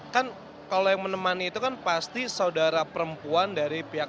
kan kalau yang menemani itu kan pasti saudara perempuan dari pihak